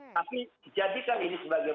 tapi jadikan ini sebagai